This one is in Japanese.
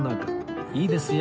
いいですよ。